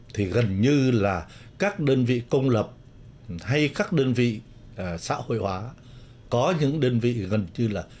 thì gần như là các đơn vị công lập hay các đơn vị xã hội hóa có những đơn vị gần như là